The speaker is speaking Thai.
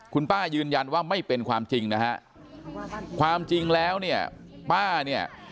คุณป้ายืนยันว่าไม่เป็นความจริงนะฮะความจริงแล้วเนี่ยป้าเนี่ย